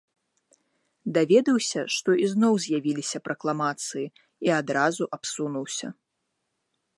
Даведаўся, што ізноў з'явіліся пракламацыі, і адразу абсунуўся.